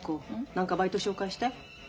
何かバイト紹介して。